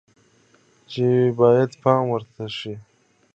چې باید پام ورته شي